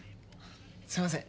すいません。